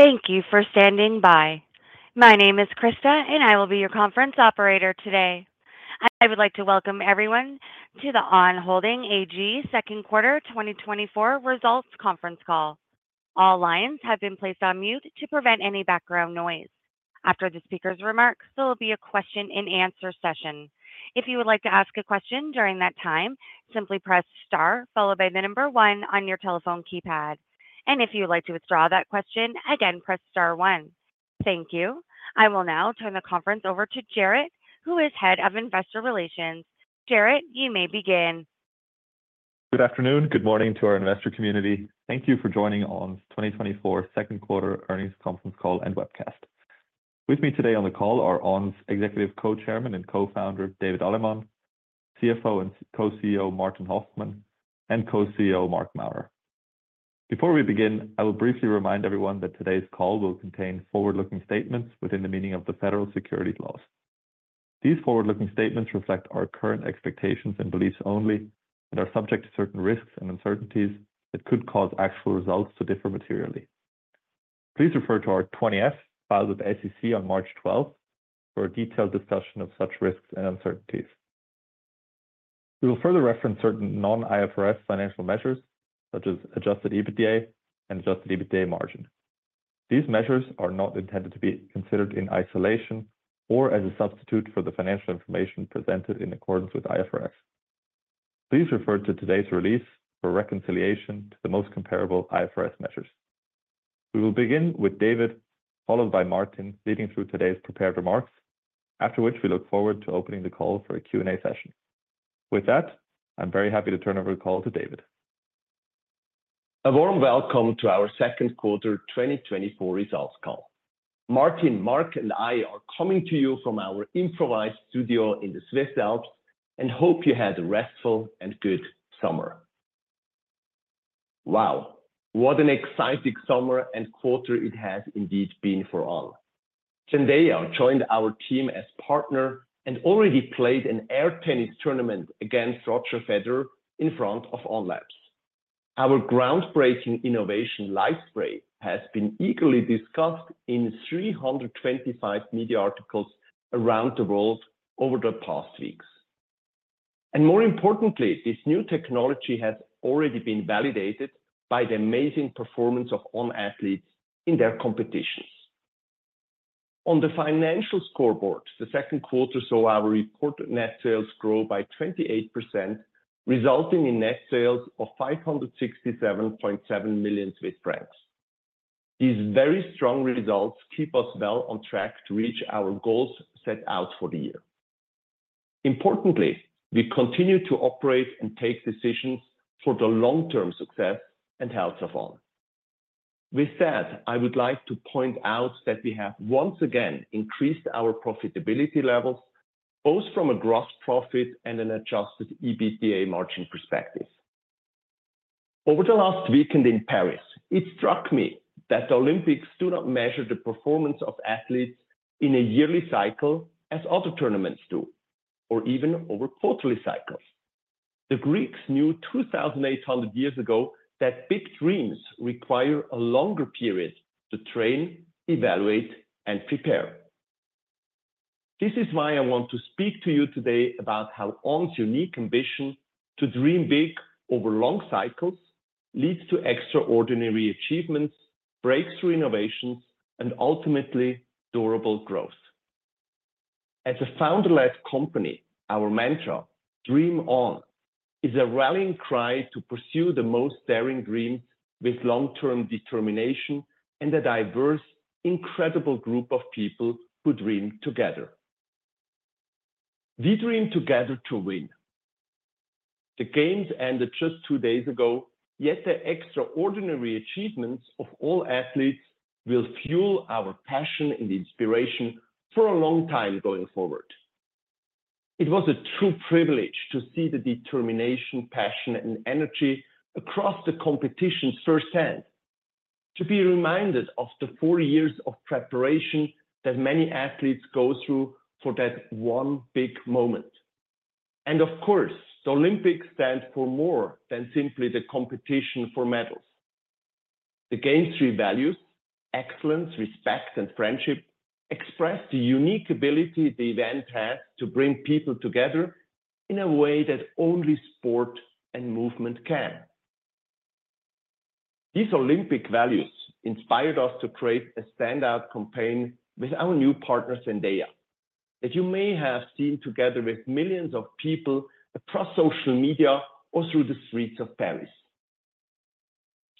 Thank you for standing by. My name is Krista, and I will be your conference operator today. I would like to welcome everyone to the On Holding AG Q2 2024 results conference call. All lines have been placed on mute to prevent any background noise. After the speaker's remarks, there will be a question-and-answer session. If you would like to ask a question during that time, simply press star, followed by the number one on your telephone keypad. If you would like to withdraw that question, again, press star one. Thank you. I will now turn the conference over to Jarrad, who is Head of Investor Relations. Jarrad, you may begin. Good afternoon, good morning to our investor community. Thank you for joining On's 2024 second quarter earnings conference call and webcast. With me today on the call are On's Executive Co-Chairman and Co-founder, David Allemann, CFO and Co-CEO, Martin Hoffmann, and Co-CEO, Marc Maurer. Before we begin, I will briefly remind everyone that today's call will contain forward-looking statements within the meaning of the federal securities laws. These forward-looking statements reflect our current expectations and beliefs only and are subject to certain risks and uncertainties that could cause actual results to differ materially. Please refer to our 20-F, filed with the SEC on March 12th, for a detailed discussion of such risks and uncertainties. We will further reference certain non-IFRS financial measures, such as Adjusted EBITDA and Adjusted EBITDA margin. These measures are not intended to be considered in isolation or as a substitute for the financial information presented in accordance with IFRS. Please refer to today's release for reconciliation to the most comparable IFRS measures. We will begin with David, followed by Martin, leading through today's prepared remarks. After which, we look forward to opening the call for a Q&A session. With that, I'm very happy to turn over the call to David. A warm welcome to our second quarter 2024 results call. Martin, Marc, and I are coming to you from our improvised studio in the Swiss Alps, and hope you had a restful and good summer. Wow! What an exciting summer and quarter it has indeed been for On. Zendaya joined our team as partner and already played an Air Tennis tournament against Roger Federer in front of On Labs. Our groundbreaking innovation, LightSpray, has been equally discussed in 325 media articles around the world over the past weeks. And more importantly, this new technology has already been validated by the amazing performance of On athletes in their competitions. On the financial scoreboard, the second quarter saw our reported net sales grow by 28%, resulting in net sales of 567.7 million Swiss francs. These very strong results keep us well on track to reach our goals set out for the year. Importantly, we continue to operate and take decisions for the long-term success and health of On. With that, I would like to point out that we have once again increased our profitability levels, both from a gross profit and an Adjusted EBITDA margin perspective. Over the last weekend in Paris, it struck me that the Olympics do not measure the performance of athletes in a yearly cycle as other tournaments do, or even over quarterly cycles. The Greeks knew 2,800 years ago that big dreams require a longer period to train, evaluate, and prepare. This is why I want to speak to you today about how On's unique ambition to dream big over long cycles leads to extraordinary achievements, breakthrough innovations, and ultimately, durable growth. As a founder-led company, our mantra, "Dream On," is a rallying cry to pursue the most daring dreams with long-term determination and a diverse, incredible group of people who dream together. We dream together to win. The Games ended just two days ago, yet the extraordinary achievements of all athletes will fuel our passion and inspiration for a long time going forward. It was a true privilege to see the determination, passion, and energy across the competition firsthand, to be reminded of the four years of preparation that many athletes go through for that one big moment. Of course, the Olympics stand for more than simply the competition for medals. The Games' three values, excellence, respect, and friendship, express the unique ability the event has to bring people together in a way that only sport and movement can. These Olympic values inspired us to create a standout campaign with our new partner, Zendaya, that you may have seen together with millions of people across social media or through the streets of Paris.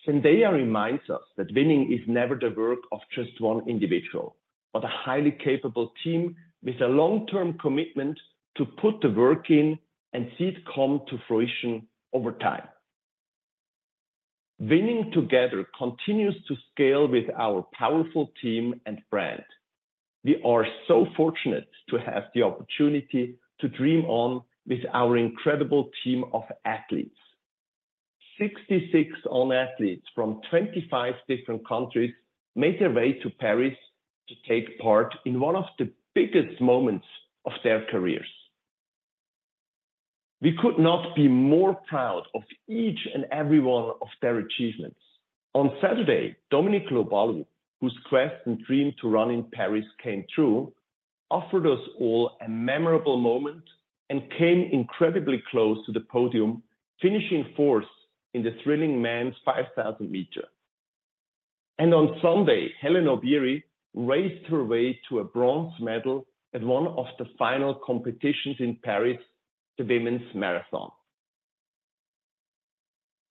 Zendaya reminds us that winning is never the work of just one individual, but a highly capable team with a long-term commitment to put the work in and see it come to fruition over time. Winning together continues to scale with our powerful team and brand. We are so fortunate to have the opportunity to Dream On with our incredible team of athletes. 66 On athletes from 25 different countries made their way to Paris to take part in one of the biggest moments of their careers. We could not be more proud of each and every one of their achievements. On Saturday, Dominic Lobalu, whose quest and dream to run in Paris came true, offered us all a memorable moment and came incredibly close to the podium, finishing fourth in the thrilling men's 5,000-meter. On Sunday, Hellen Obiri raced her way to a bronze medal at one of the final competitions in Paris, the women's marathon.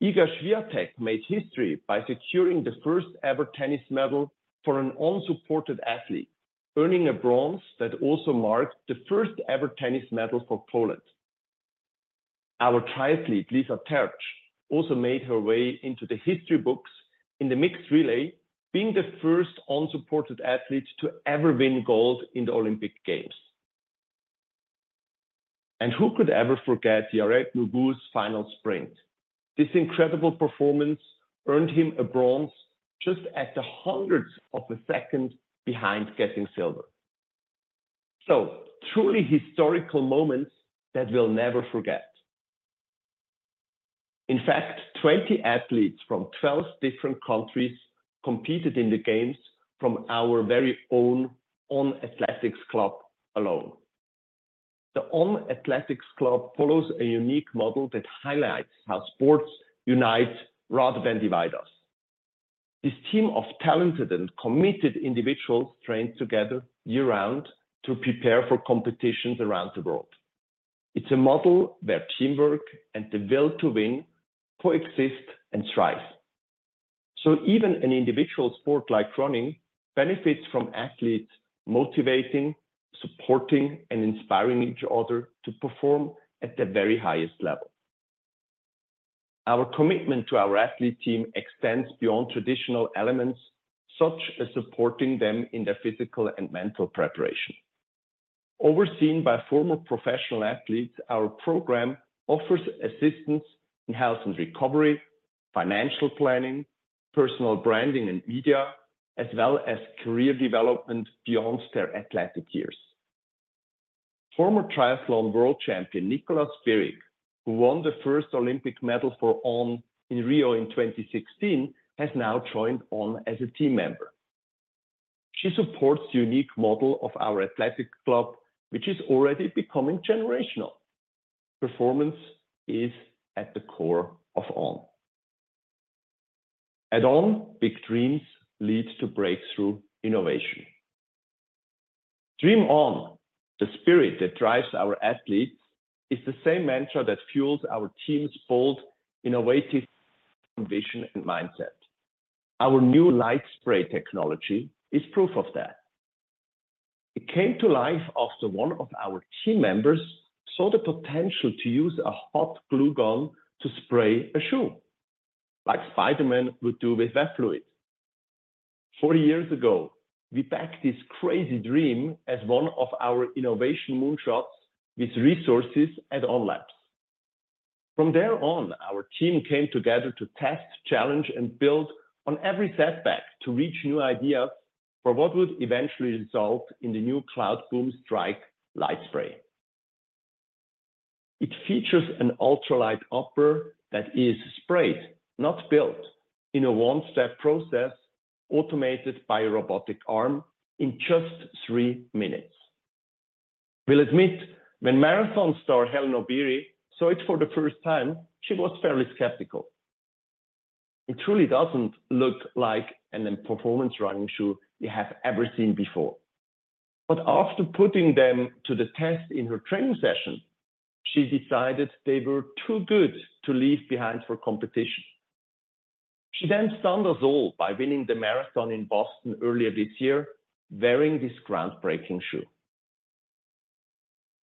Iga Świątek made history by securing the first-ever tennis medal for an On-supported athlete, earning a bronze that also marked the first-ever tennis medal for Poland. Our triathlete, Lisa Tertsch, also made her way into the history books in the mixed relay, being the first On-supported athlete to ever win gold in the Olympic Games. Who could ever forget Yared Nuguse's final sprint? This incredible performance earned him a bronze just at the 100th of a second behind getting silver. Truly historical moments that we'll never forget. In fact, 20 athletes from 12 different countries competed in the Games from our very own On Athletics Club alone. The On Athletics Club follows a unique model that highlights how sports unite rather than divide us. This team of talented and committed individuals train together year-round to prepare for competitions around the world. It's a model where teamwork and the will to win coexist and thrive. So even an individual sport like running benefits from athletes motivating, supporting, and inspiring each other to perform at the very highest level. Our commitment to our athlete team extends beyond traditional elements, such as supporting them in their physical and mental preparation. Overseen by former professional athletes, our program offers assistance in health and recovery, financial planning, personal branding and media, as well as career development beyond their athletic years. Former triathlon world champion Nicola Spirig, who won the first Olympic medal for On in Rio in 2016, has now joined On as a team member. She supports the unique model of our athletic club, which is already becoming generational. Performance is at the core of On. At On, big dreams lead to breakthrough innovation. Dream On, the spirit that drives our athletes, is the same mantra that fuels our team's bold, innovative, and mindset. Our new LightSpray technology is proof of that. It came to life after one of our team members saw the potential to use a hot glue gun to spray a shoe, like Spider-Man would do with web fluid. 4 years ago, we backed this crazy dream as one of our innovation moonshots with resources at On Labs. From there on, our team came together to test, challenge, and build on every setback to reach new ideas for what would eventually result in the new Cloudboom Strike LightSpray. It features an ultralight upper that is sprayed, not built, in a one-step process, automated by a robotic arm in just three minutes. We'll admit, when marathon star Hellen Obiri saw it for the first time, she was fairly skeptical. It truly doesn't look like a performance running shoe you have ever seen before. But after putting them to the test in her training session, she decided they were too good to leave behind for competition. She then stunned us all by winning the marathon in Boston earlier this year, wearing this groundbreaking shoe.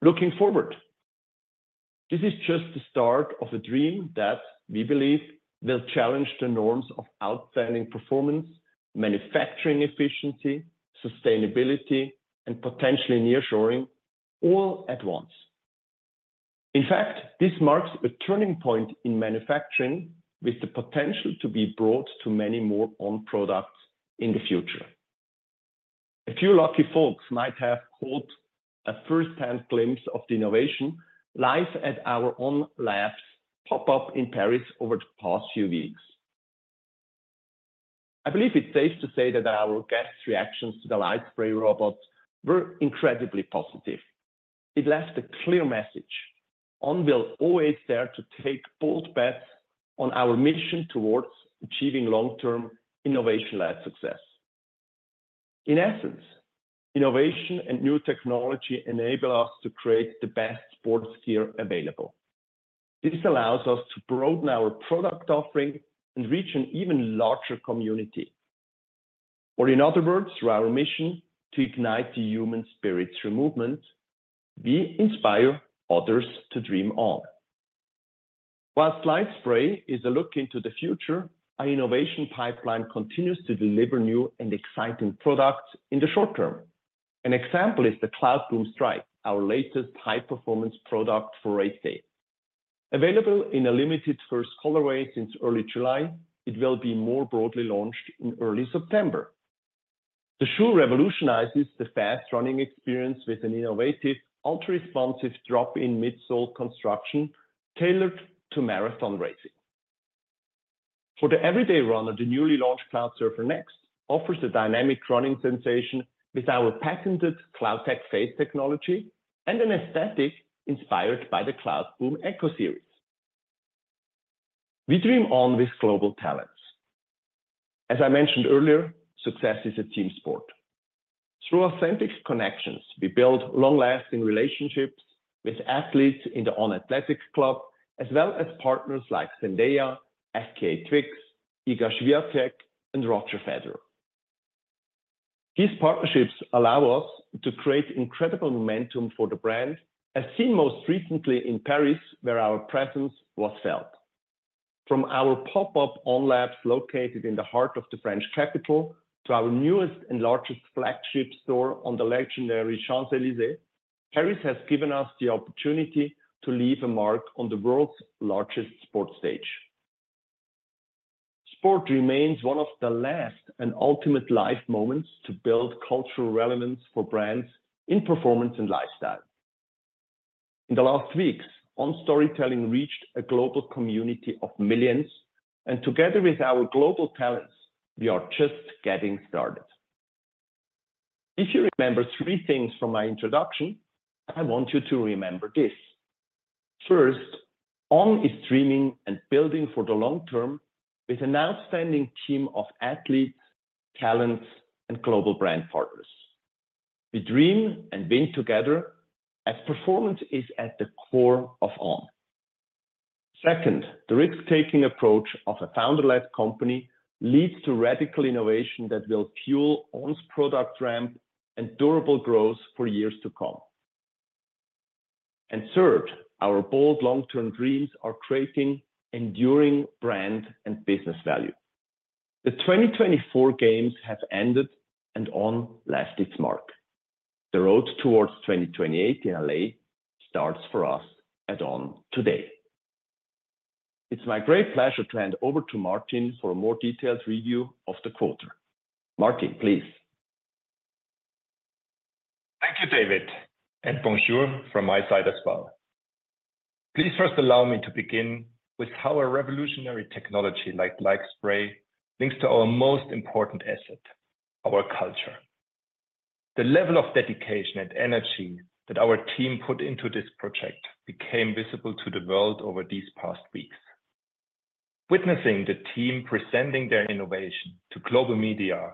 Looking forward, this is just the start of a dream that we believe will challenge the norms of outstanding performance, manufacturing efficiency, sustainability, and potentially nearshoring all at once. In fact, this marks a turning point in manufacturing with the potential to be brought to many more On products in the future. A few lucky folks might have caught a first-hand glimpse of the innovation live at our On Labs pop-up in Paris over the past few weeks. I believe it's safe to say that our guests' reactions to the LightSpray robots were incredibly positive. It left a clear message: On will always dare to take bold bets on our mission towards achieving long-term, innovation-led success. In essence, innovation and new technology enable us to create the best sports gear available. This allows us to broaden our product offering and reach an even larger community. Or in other words, through our mission to ignite the human spirit through movement, we inspire others to dream on. While LightSpray is a look into the future, our innovation pipeline continues to deliver new and exciting products in the short term. An example is the Cloudboom Strike, our latest high-performance product for race day. Available in a limited first colorway since early July, it will be more broadly launched in early September. The shoe revolutionizes the fast running experience with an innovative, ultra-responsive drop in midsole construction, tailored to marathon racing. For the everyday runner, the newly launched Cloudsurfer Next offers a dynamic running sensation with our patented CloudTec Phase technology, and an aesthetic inspired by the Cloudboom Echo series. We dream on with global talents. As I mentioned earlier, success is a team sport. Through authentic connections, we build long-lasting relationships with athletes in the On Athletics Club, as well as partners like Zendaya, FKA Twigs, Iga Świątek, and Roger Federer. These partnerships allow us to create incredible momentum for the brand, as seen most recently in Paris, where our presence was felt. From our pop-up On Labs, located in the heart of the French capital, to our newest and largest flagship store on the legendary Champs-Élysées, Paris has given us the opportunity to leave a mark on the world's largest sports stage. Sport remains one of the last and ultimate life moments to build cultural relevance for brands in performance and lifestyle. In the last weeks, On storytelling reached a global community of millions, and together with our global talents, we are just getting started. If you remember three things from my introduction, I want you to remember this: First, On is dreaming and building for the long term with an outstanding team of athletes, talents, and global brand partners. We dream and win together, as performance is at the core of On. Second, the risk-taking approach of a founder-led company leads to radical innovation that will fuel On's product ramp and durable growth for years to come. And third, our bold long-term dreams are creating enduring brand and business value. The 2024 Games have ended, and On left its mark. The road towards 2028 in LA starts for us at On today. It's my great pleasure to hand over to Martin for a more detailed review of the quarter. Martin, please. Thank you, David, and bonjour from my side as well. Please first allow me to begin with how a revolutionary technology like LightSpray links to our most important asset, our culture. The level of dedication and energy that our team put into this project became visible to the world over these past weeks. Witnessing the team presenting their innovation to global media,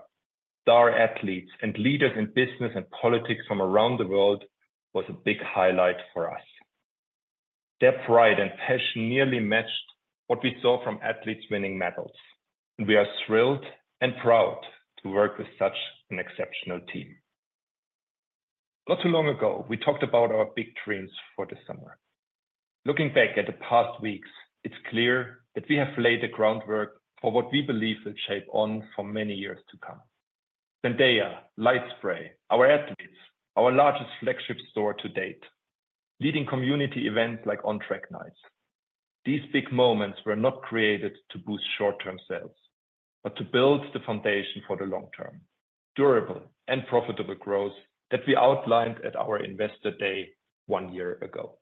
star athletes, and leaders in business and politics from around the world, was a big highlight for us. Their pride and passion nearly matched what we saw from athletes winning medals, and we are thrilled and proud to work with such an exceptional team. Not too long ago, we talked about our big dreams for the summer. Looking back at the past weeks, it's clear that we have laid the groundwork for what we believe will shape On for many years to come. Zendaya, LightSpray, our athletes, our largest flagship store to date, leading community events like On Track Nights. These big moments were not created to boost short-term sales, but to build the foundation for the long term, durable and profitable growth that we outlined at our Investor Day one year ago.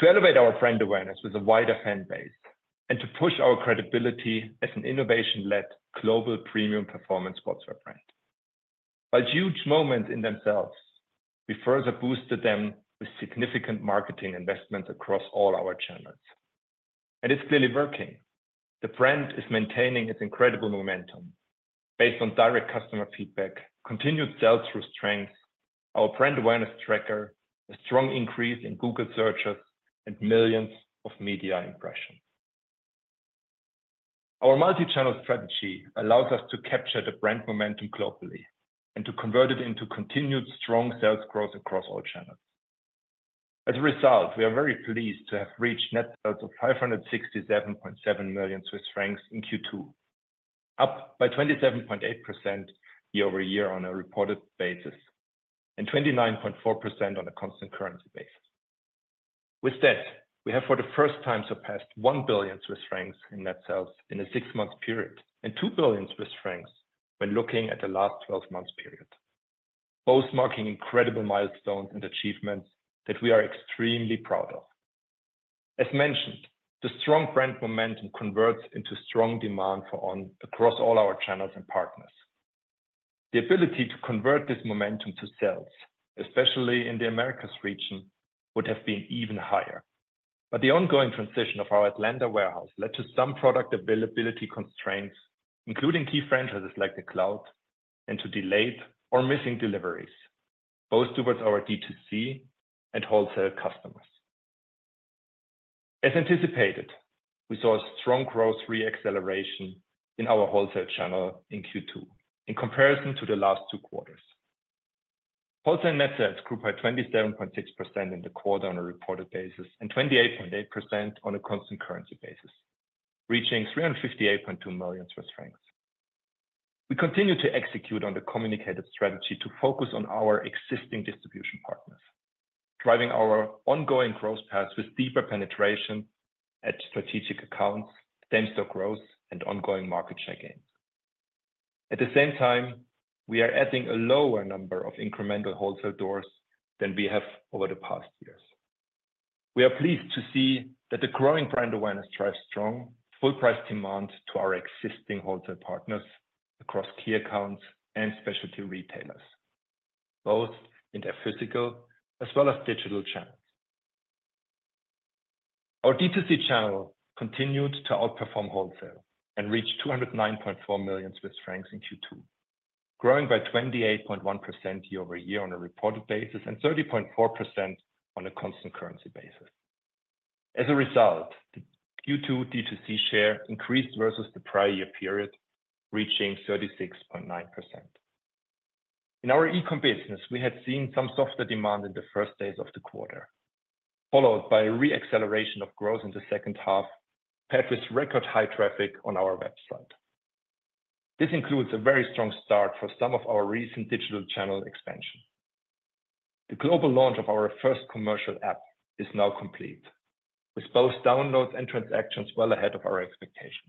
To elevate our brand awareness with a wider fan base, and to push our credibility as an innovation-led global premium performance sportswear brand. A huge moment in themselves, we further boosted them with significant marketing investments across all our channels, and it's clearly working. The brand is maintaining its incredible momentum. Based on direct customer feedback, continued sell-through strength, our brand awareness tracker, a strong increase in Google searches, and millions of media impressions. Our multi-channel strategy allows us to capture the brand momentum globally, and to convert it into continued strong sales growth across all channels. As a result, we are very pleased to have reached net sales of 567.7 million Swiss francs in Q2, up by 27.8% year-over-year on a reported basis, and 29.4% on a constant currency basis. With that, we have, for the first time, surpassed 1 billion Swiss francs in net sales in a six-month period, and 2 billion Swiss francs when looking at the last twelve months period, both marking incredible milestones and achievements that we are extremely proud of. As mentioned, the strong brand momentum converts into strong demand for On across all our channels and partners. The ability to convert this momentum to sales, especially in the Americas region, would have been even higher. But the ongoing transition of our Atlanta warehouse led to some product availability constraints, including key franchises like the Cloud, and to delayed or missing deliveries, both towards our DTC and wholesale customers. As anticipated, we saw a strong growth re-acceleration in our wholesale channel in Q2 in comparison to the last two quarters. Wholesale net sales grew by 27.6% in the quarter on a reported basis, and 28.8% on a constant currency basis, reaching 358.2 million Swiss francs. We continue to execute on the communicated strategy to focus on our existing distribution partners... driving our ongoing growth paths with deeper penetration at strategic accounts, same-store growth, and ongoing market share gains. At the same time, we are adding a lower number of incremental wholesale doors than we have over the past years. We are pleased to see that the growing brand awareness drives strong, full price demand to our existing wholesale partners across key accounts and specialty retailers, both in their physical as well as digital channels. Our DTC channel continued to outperform wholesale and reached 209.4 million Swiss francs in Q2, growing by 28.1% year over year on a reported basis, and 30.4% on a constant currency basis. As a result, the Q2 DTC share increased versus the prior year period, reaching 36.9%. In our e-com business, we had seen some softer demand in the first days of the quarter, followed by a re-acceleration of growth in the second half, paired with record high traffic on our website. This includes a very strong start for some of our recent digital channel expansion. The global launch of our first commercial app is now complete, with both downloads and transactions well ahead of our expectation.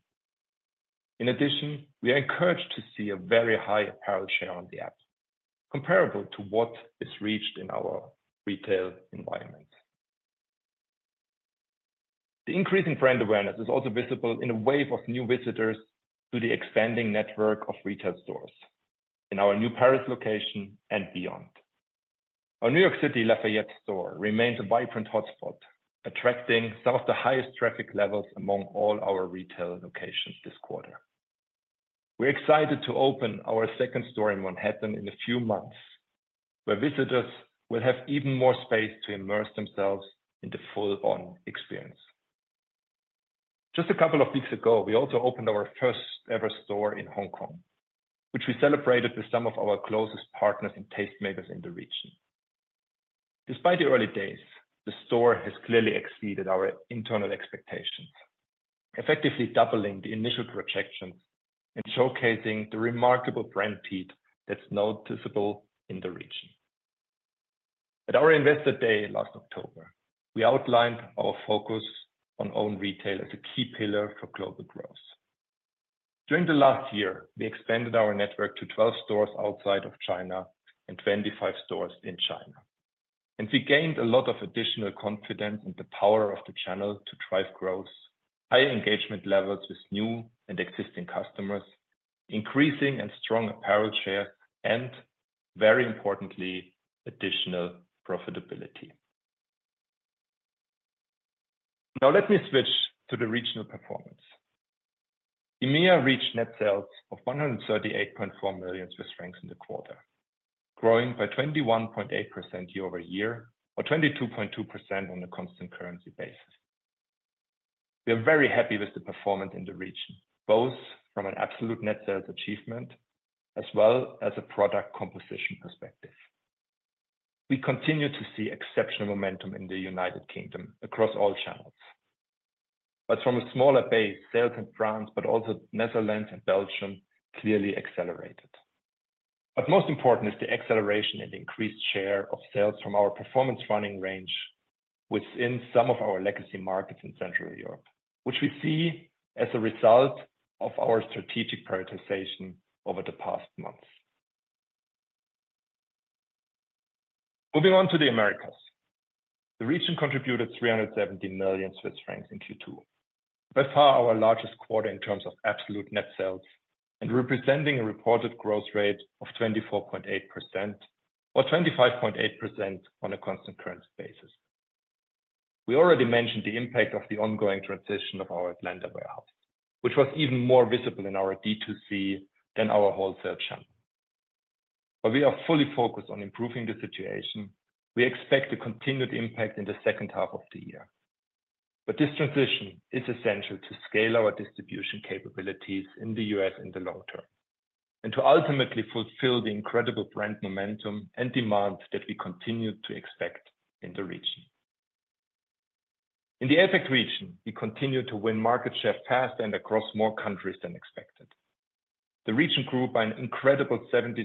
In addition, we are encouraged to see a very high apparel share on the app, comparable to what is reached in our retail environment. The increasing brand awareness is also visible in a wave of new visitors to the expanding network of retail stores, in our new Paris location and beyond. Our New York City Lafayette store remains a vibrant hotspot, attracting some of the highest traffic levels among all our retail locations this quarter. We're excited to open our second store in Manhattan in a few months, where visitors will have even more space to immerse themselves in the full-on experience. Just a couple of weeks ago, we also opened our first-ever store in Hong Kong, which we celebrated with some of our closest partners and tastemakers in the region. Despite the early days, the store has clearly exceeded our internal expectations, effectively doubling the initial projections and showcasing the remarkable brand heat that's noticeable in the region. At our Investor Day last October, we outlined our focus on own retail as a key pillar for global growth. During the last year, we expanded our network to 12 stores outside of China and 25 stores in China, and we gained a lot of additional confidence in the power of the channel to drive growth, high engagement levels with new and existing customers, increasing and strong apparel share, and very importantly, additional profitability. Now, let me switch to the regional performance. EMEA reached net sales of 138.4 million Swiss francs in the quarter, growing by 21.8% year-over-year, or 22.2% on a constant currency basis. We are very happy with the performance in the region, both from an absolute net sales achievement as well as a product composition perspective. We continue to see exceptional momentum in the United Kingdom across all channels. But from a smaller base, sales in France, but also Netherlands and Belgium, clearly accelerated. But most important is the acceleration and increased share of sales from our performance running range within some of our legacy markets in Central Europe, which we see as a result of our strategic prioritization over the past months. Moving on to the Americas. The region contributed 370 million Swiss francs in Q2. By far, our largest quarter in terms of absolute net sales, and representing a reported growth rate of 24.8%, or 25.8% on a constant currency basis. We already mentioned the impact of the ongoing transition of our Atlanta warehouse, which was even more visible in our DTC than our wholesale channel. We are fully focused on improving the situation. We expect a continued impact in the second half of the year. This transition is essential to scale our distribution capabilities in the U.S. in the long term, and to ultimately fulfill the incredible brand momentum and demand that we continue to expect in the region. In the APAC region, we continued to win market share fast and across more countries than expected. The region grew by an incredible 73.7%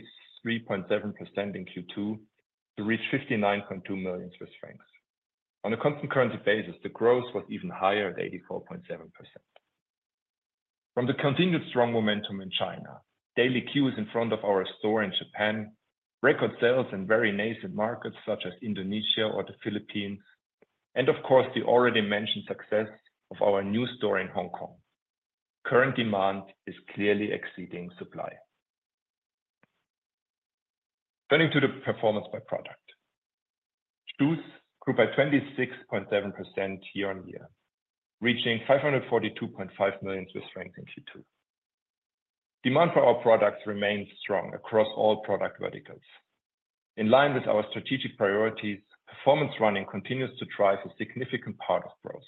in Q2 to reach 59.2 million Swiss francs. On a constant currency basis, the growth was even higher at 84.7%. From the continued strong momentum in China, daily queues in front of our store in Japan, record sales in very nascent markets such as Indonesia or the Philippines, and of course, the already mentioned success of our new store in Hong Kong, current demand is clearly exceeding supply. Turning to the performance by product. Shoes grew by 26.7% year-on-year, reaching 542.5 million Swiss francs in Q2. Demand for our products remains strong across all product verticals. In line with our strategic priorities, performance running continues to drive a significant part of growth.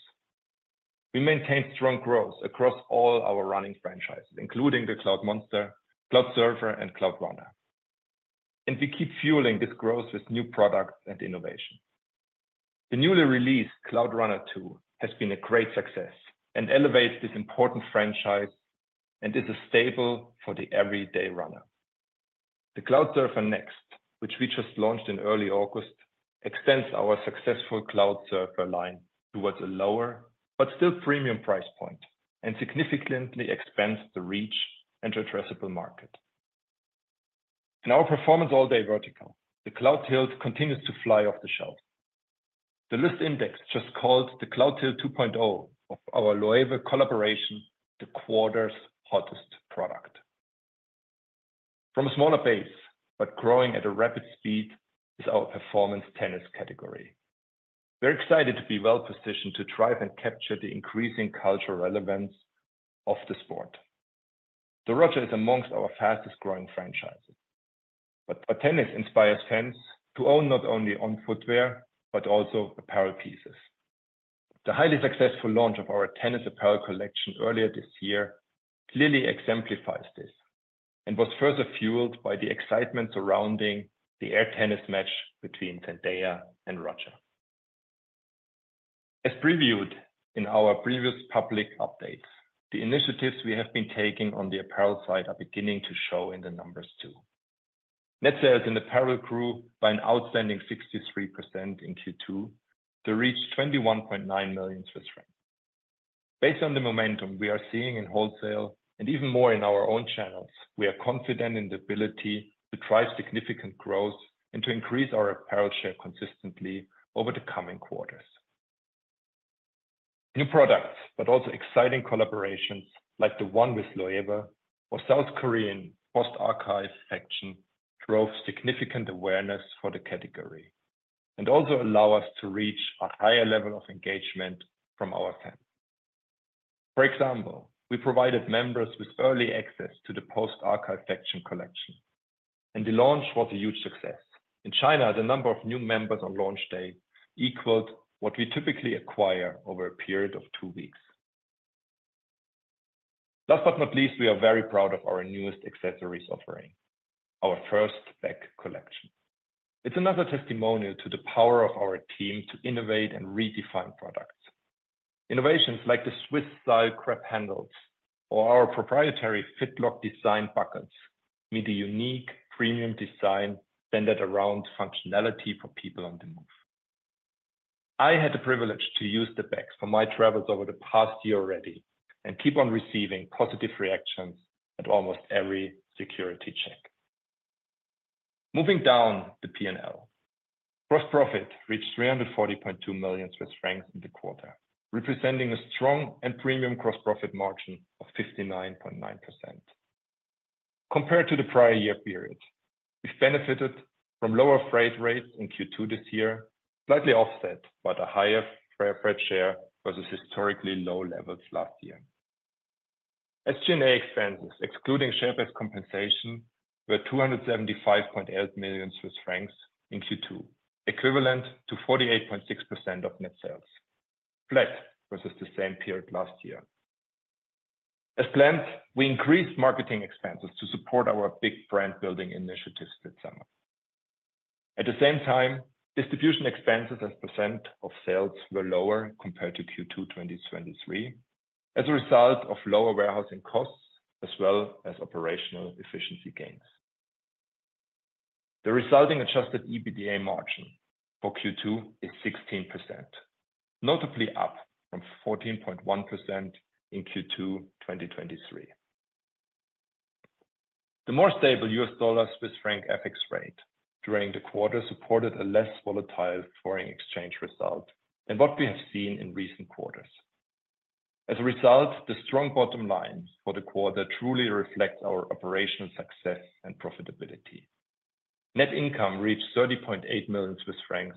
We maintain strong growth across all our running franchises, including the Cloudmonster, Cloudsurfer, and Cloudrunner, and we keep fueling this growth with new products and innovation. The newly released Cloudrunner 2 has been a great success and elevates this important franchise, and is a staple for the everyday runner. The Cloudsurfer Next, which we just launched in early August, extends our successful Cloudsurfer line towards a lower, but still premium price point, and significantly expands the reach and addressable market. In our performance all-day vertical, the Cloudtilt continues to fly off the shelf. The Lyst Index just called the Cloudtilt 2.0 of our Loewe collaboration, the quarter's hottest product. From a smaller base, but growing at a rapid speed, is our performance tennis category. We're excited to be well-positioned to drive and capture the increasing cultural relevance of the sport. The Roger is amongst our fastest growing franchises, but our tennis inspires fans to own not only On footwear, but also apparel pieces. The highly successful launch of our tennis apparel collection earlier this year clearly exemplifies this, and was further fueled by the excitement surrounding the Air Tennis match between Zendaya and Roger. As previewed in our previous public updates, the initiatives we have been taking on the apparel side are beginning to show in the numbers, too. Net sales in apparel grew by an outstanding 63% in Q2 to reach 21.9 million Swiss francs. Based on the momentum we are seeing in wholesale, and even more in our own channels, we are confident in the ability to drive significant growth and to increase our apparel share consistently over the coming quarters. New products, but also exciting collaborations like the one with Loewe or South Korean Post Archive Faction, drove significant awareness for the category, and also allow us to reach a higher level of engagement from our fans. For example, we provided members with early access to the Post Archive Faction collection, and the launch was a huge success. In China, the number of new members on launch day equaled what we typically acquire over a period of two weeks. Last but not least, we are very proud of our newest accessories offering, our first bag collection. It's another testimonial to the power of our team to innovate and redefine products. Innovations like the Swiss-style grab handles or our proprietary Fidlock design buckles mean a unique premium design centered around functionality for people on the move. I had the privilege to use the bags for my travels over the past year already, and keep on receiving positive reactions at almost every security check. Moving down the P&L. Gross profit reached 340.2 million Swiss francs in the quarter, representing a strong and premium gross profit margin of 59.9%. Compared to the prior year period, we benefited from lower freight rates in Q2 this year, slightly offset by the higher freight share versus historically low levels last year. SG&A expenses, excluding share-based compensation, were 275.8 million Swiss francs in Q2, equivalent to 48.6% of net sales, flat versus the same period last year. As planned, we increased marketing expenses to support our big brand-building initiatives this summer. At the same time, distribution expenses as % of sales were lower compared to Q2 2023, as a result of lower warehousing costs, as well as operational efficiency gains. The resulting Adjusted EBITDA margin for Q2 is 16%, notably up from 14.1% in Q2 2023. The more stable U.S. dollar Swiss franc FX rate during the quarter supported a less volatile foreign exchange result than what we have seen in recent quarters. As a result, the strong bottom line for the quarter truly reflects our operational success and profitability. Net income reached 30.8 million Swiss francs,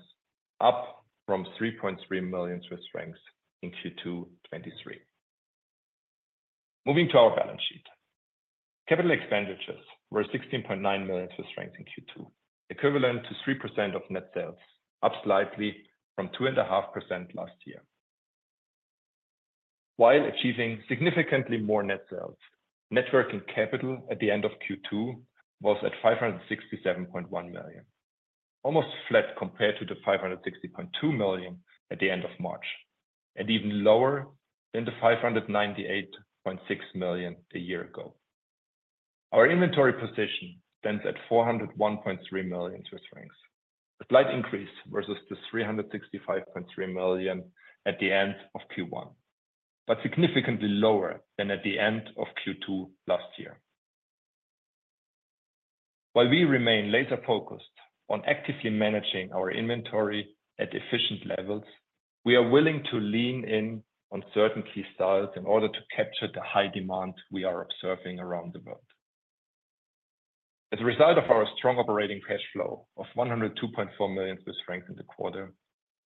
up from 3.3 million Swiss francs in Q2 2023. Moving to our balance sheet. Capital expenditures were 16.9 million CHF in Q2, equivalent to 3% of net sales, up slightly from 2.5% last year. While achieving significantly more net sales, net working capital at the end of Q2 was at 567.1 million, almost flat compared to the 560.2 million at the end of March, and even lower than the 598.6 million a year ago. Our inventory position stands at 401.3 million Swiss francs, a slight increase versus the 365.3 million at the end of Q1, but significantly lower than at the end of Q2 last year. While we remain laser-focused on actively managing our inventory at efficient levels, we are willing to lean in on certain key styles in order to capture the high demand we are observing around the world. As a result of our strong operating cash flow of 102.4 million Swiss francs in the quarter,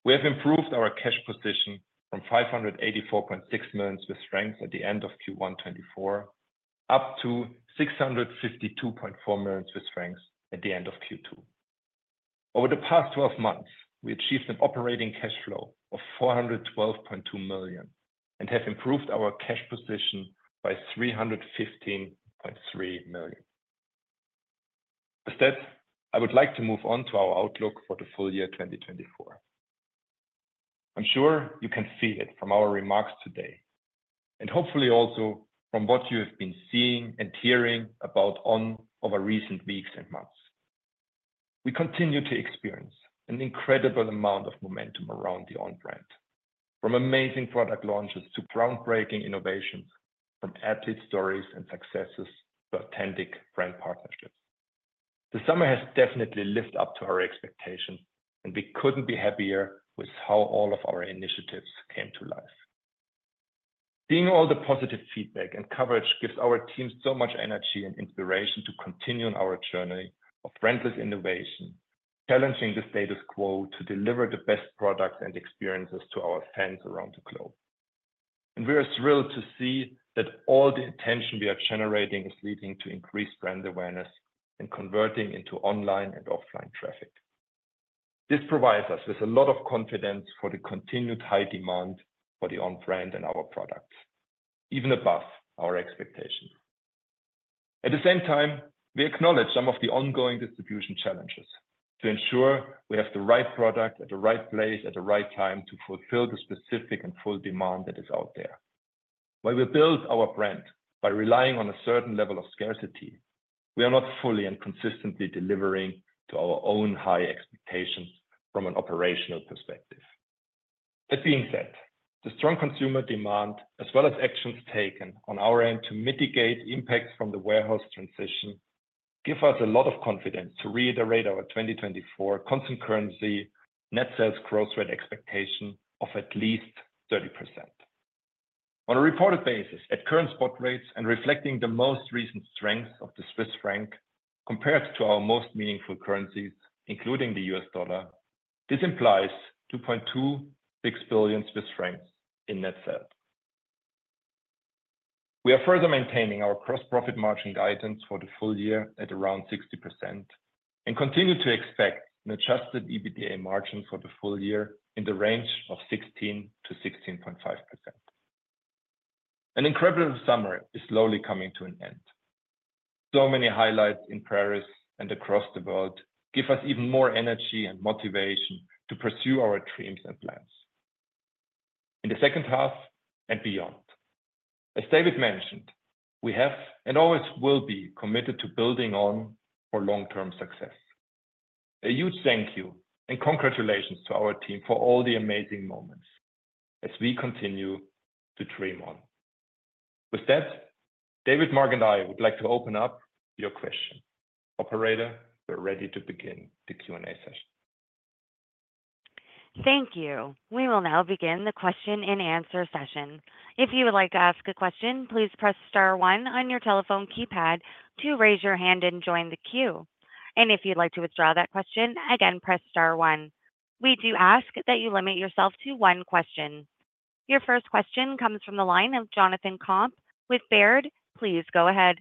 we have improved our cash position from 584.6 million Swiss francs at the end of Q1 2024, up to 652.4 million Swiss francs at the end of Q2. Over the past twelve months, we achieved an operating cash flow of 412.2 million, and have improved our cash position by 315.3 million. With that, I would like to move on to our outlook for the full year 2024. I'm sure you can see it from our remarks today, and hopefully also from what you have been seeing and hearing about On over recent weeks and months. We continue to experience an incredible amount of momentum around the On brand, from amazing product launches to groundbreaking innovations, from athlete stories and successes to authentic brand partnerships. The summer has definitely lived up to our expectations, and we couldn't be happier with how all of our initiatives came to life. Seeing all the positive feedback and coverage gives our team so much energy and inspiration to continue on our journey of fearless innovation, challenging the status quo to deliver the best products and experiences to our fans around the globe. We are thrilled to see that all the attention we are generating is leading to increased brand awareness and converting into online and offline traffic. This provides us with a lot of confidence for the continued high demand for the On brand and our products, even above our expectations. At the same time, we acknowledge some of the ongoing distribution challenges to ensure we have the right product at the right place, at the right time to fulfill the specific and full demand that is out there. While we build our brand by relying on a certain level of scarcity, we are not fully and consistently delivering to our own high expectations from an operational perspective. That being said, the strong consumer demand, as well as actions taken on our end to mitigate impacts from the warehouse transition, give us a lot of confidence to reiterate our 2024 constant currency net sales growth rate expectation of at least 30%. On a reported basis, at current spot rates and reflecting the most recent strength of the Swiss franc compared to our most meaningful currencies, including the U.S. dollar, this implies 2.26 billion Swiss francs in net sales. We are further maintaining our gross profit margin guidance for the full year at around 60% and continue to expect an Adjusted EBITDA margin for the full year in the range of 16%-16.5%. An incredible summer is slowly coming to an end. So many highlights in Paris and across the world give us even more energy and motivation to pursue our dreams and plans. In the second half and beyond, as David mentioned, we have, and always will be, committed to building On for long-term success. A huge thank you, and congratulations to our team for all the amazing moments as we continue to dream On. With that, David, Marc, and I would like to open up your question. Operator, we're ready to begin the Q&A session. Thank you. We will now begin the question-and-answer session. If you would like to ask a question, please press star one on your telephone keypad to raise your hand and join the queue. And if you'd like to withdraw that question, again, press star one. We do ask that you limit yourself to one question. Your first question comes from the line of Jonathan Komp with Baird. Please go ahead.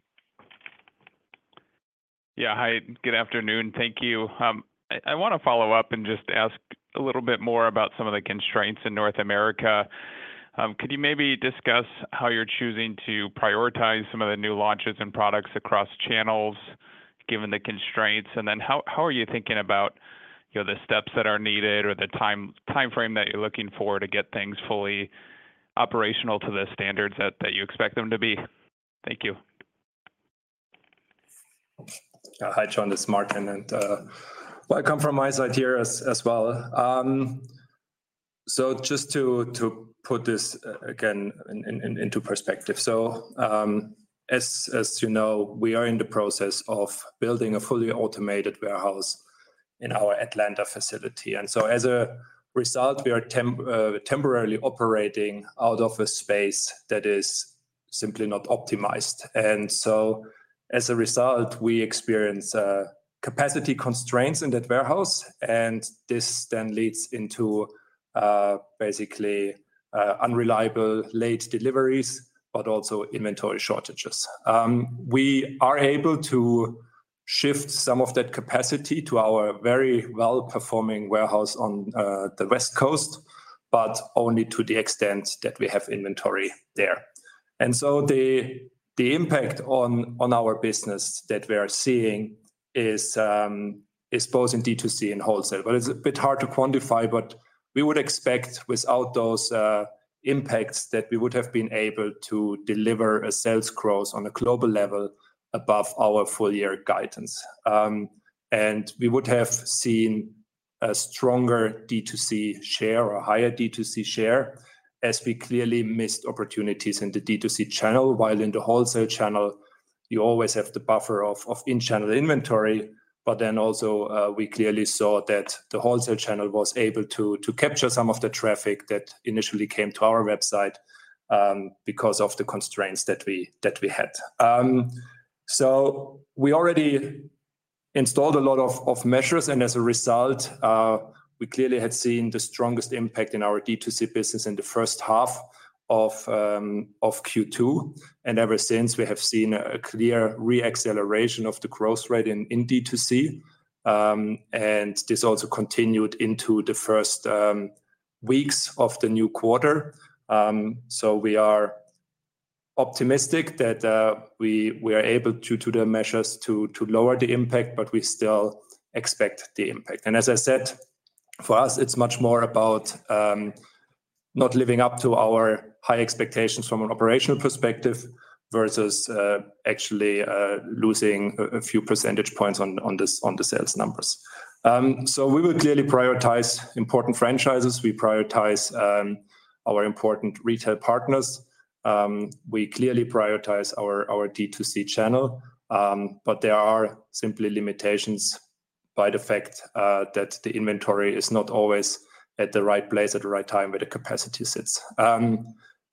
Yeah, hi, good afternoon. Thank you. I wanna follow up and just ask a little bit more about some of the constraints in North America. Could you maybe discuss how you're choosing to prioritize some of the new launches and products across channels, given the constraints? And then how are you thinking about, you know, the steps that are needed or the timeframe that you're looking for to get things fully operational to the standards that you expect them to be? Thank you. Hi, John, this is Martin, and well, I come from my side here as well. So just to put this again into perspective. So, as you know, we are in the process of building a fully automated warehouse in our Atlanta facility. And so as a result, we are temporarily operating out of a space that is simply not optimized. And so, as a result, we experience capacity constraints in that warehouse, and this then leads into basically unreliable late deliveries, but also inventory shortages. We are able to shift some of that capacity to our very well-performing warehouse on the West Coast, but only to the extent that we have inventory there. And so the impact on our business that we are seeing is both in DTC and wholesale. Well, it's a bit hard to quantify, but we would expect, without those impacts, that we would have been able to deliver a sales growth on a global level above our full-year guidance. We would have seen a stronger DTC share or a higher DTC share, as we clearly missed opportunities in the DTC channel. While in the wholesale channel, you always have the buffer of in-channel inventory. But then also, we clearly saw that the wholesale channel was able to capture some of the traffic that initially came to our website, because of the constraints that we had. So we already installed a lot of measures, and as a result, we clearly had seen the strongest impact in our DTC business in the first half of Q2. Ever since, we have seen a clear re-acceleration of the growth rate in DTC. This also continued into the first weeks of the new quarter. So we are optimistic that we are able to take the measures to lower the impact, but we still expect the impact. And as I said, for us, it's much more about not living up to our high expectations from an operational perspective, versus actually losing a few percentage points on the sales numbers. So we will clearly prioritize important franchises. We prioritize our important retail partners. We clearly prioritize our DTC channel. But there are simply limitations by the fact that the inventory is not always at the right place at the right time, where the capacity sits.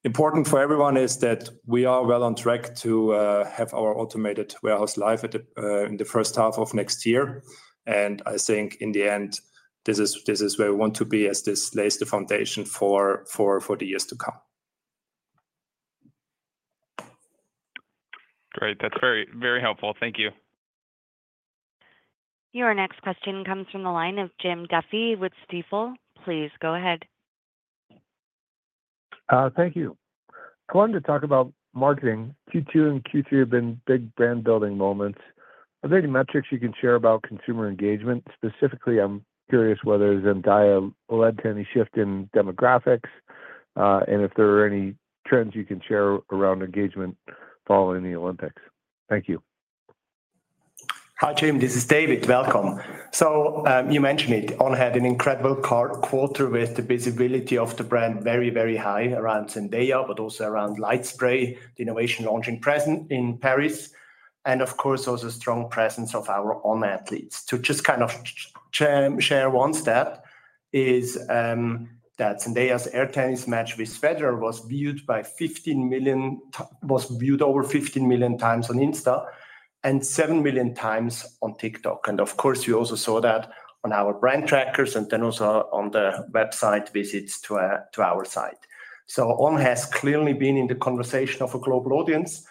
Important for everyone is that we are well on track to have our automated warehouse live in the first half of next year, and I think in the end, this is where we want to be as this lays the foundation for the years to come. Great. That's very, very helpful. Thank you. Your next question comes from the line of Jim Duffy with Stifel. Please go ahead. Thank you. I wanted to talk about marketing. Q2 and Q3 have been big brand-building moments. Are there any metrics you can share about consumer engagement? Specifically, I'm curious whether Zendaya led to any shift in demographics, and if there are any trends you can share around engagement following the Olympics. Thank you. Hi, Jim, this is David. Welcome. You mentioned it, On had an incredible quarter, with the visibility of the brand very, very high around Zendaya, but also around LightSpray, the innovation launching present in Paris, and of course, also strong presence of our own athletes. To just kind of share one stat is, that Zendaya's Air Tennis match with Federer was viewed by 15 million was viewed over 15 million times on Insta and 7 million times on TikTok. And of course, we also saw that on our brand trackers and then also on the website visits to, to our site. So On has clearly been in the conversation of a global audience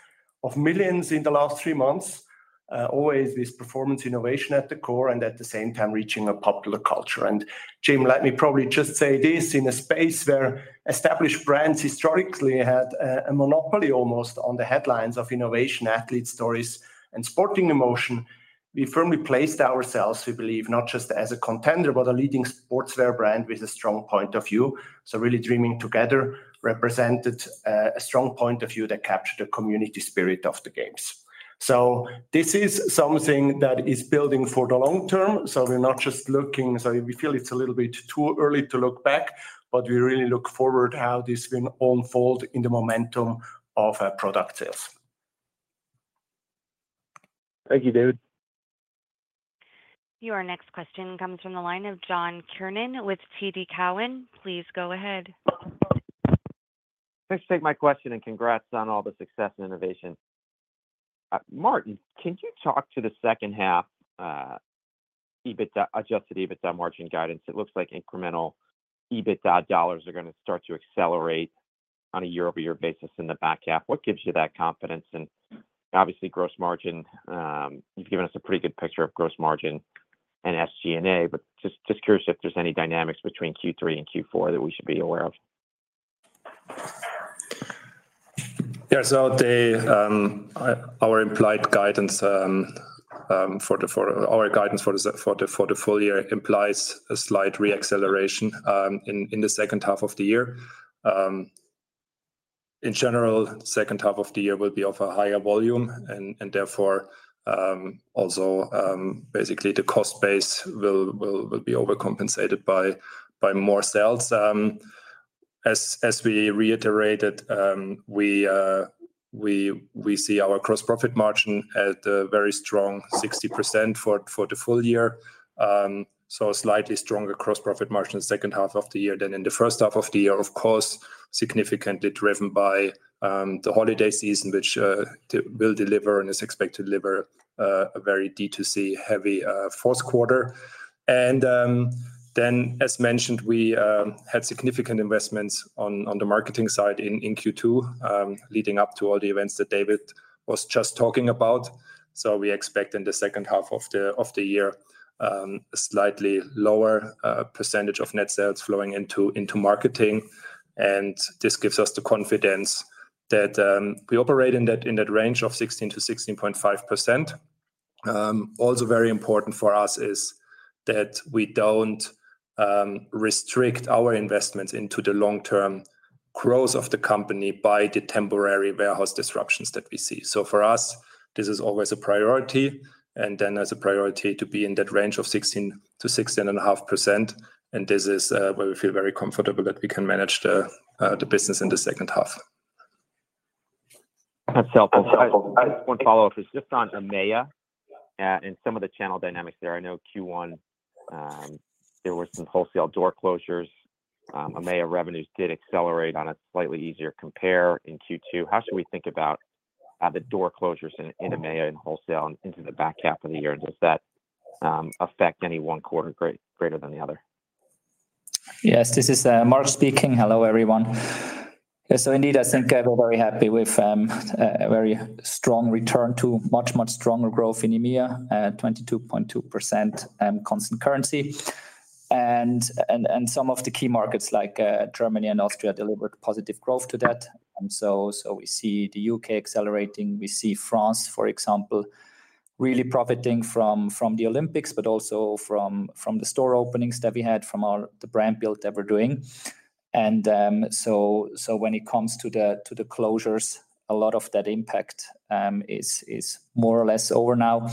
of millions in the last 3 months. Always this performance innovation at the core and at the same time reaching a popular culture. Jim, let me probably just say this, in a space where established brands historically had a monopoly almost on the headlines of innovation, athlete stories, and sporting emotion, we firmly placed ourselves, we believe, not just as a contender, but a leading sportswear brand with a strong point of view. Really dreaming together represented a strong point of view that captured the community spirit of the Games. This is something that is building for the long term, so we're not just looking. We feel it's a little bit too early to look back, but we really look forward how this will unfold in the momentum of product sales. Thank you, David. Your next question comes from the line of John Kernan with TD Cowen. Please go ahead. Thanks for taking my question, and congrats on all the success and innovation. Martin, can you talk to the second half, EBITDA, Adjusted EBITDA margin guidance? It looks like incremental EBITDA dollars are gonna start to accelerate on a year-over-year basis in the back half. What gives you that confidence? And obviously, gross margin, you've given us a pretty good picture of gross margin and SG&A, but just, just curious if there's any dynamics between Q3 and Q4 that we should be aware of. Yeah. So our implied guidance for the our guidance for the full year implies a slight re-acceleration in the second half of the year. In general, second half of the year will be of a higher volume, and therefore also basically the cost base will be overcompensated by more sales. As we reiterated, we see our gross profit margin at a very strong 60% for the full year. So a slightly stronger gross profit margin in the second half of the year than in the first half of the year. Of course, significantly driven by the holiday season, which will deliver and is expected to deliver a very DTC-heavy fourth quarter. Then, as mentioned, we had significant investments on the marketing side in Q2, leading up to all the events that David was just talking about. So we expect in the second half of the year a slightly lower percentage of net sales flowing into marketing, and this gives us the confidence that we operate in that range of 16%-16.5%. Also very important for us is that we don't restrict our investments into the long-term growth of the company by the temporary warehouse disruptions that we see. So for us, this is always a priority, and then as a priority, to be in that range of 16%-16.5%, and this is where we feel very comfortable that we can manage the business in the second half. That's helpful. I just one follow-up, just on EMEA, and some of the channel dynamics there. I know Q1, there were some wholesale door closures. EMEA revenues did accelerate on a slightly easier compare in Q2. How should we think about, the door closures in, in EMEA and wholesale into the back half of the year, and does that, affect any one quarter greater than the other? Yes, this is Marc speaking. Hello, everyone. Yeah, so indeed, I think I'm very happy with a very strong return to much, much stronger growth in EMEA at 22.2%, constant currency and some of the key markets like Germany and Austria delivered positive growth to that. And so we see the U.K. accelerating, we see France, for example, really profiting from the Olympics, but also from the store openings that we had from our the brand build that we're doing. And so when it comes to the closures, a lot of that impact is more or less over now.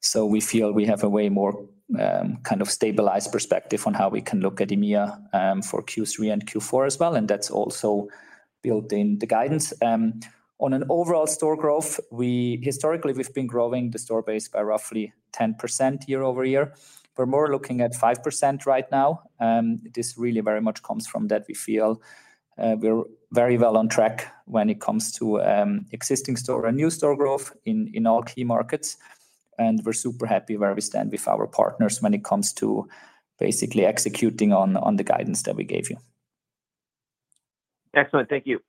So we feel we have a way more kind of stabilized perspective on how we can look at EMEA for Q3 and Q4 as well, and that's also built in the guidance. On an overall store growth, we historically we've been growing the store base by roughly 10% year-over-year. We're more looking at 5% right now. This really very much comes from that we feel we're very well on track when it comes to existing store and new store growth in all key markets. And we're super happy where we stand with our partners when it comes to basically executing on the guidance that we gave you. Excellent. Thank you.